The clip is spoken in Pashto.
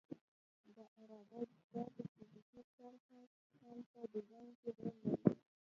د عراده جاتو فزیکي طرح هم په ډیزاین کې رول لري